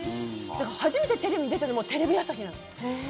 初めてテレビ出たのもテレビ朝日なの。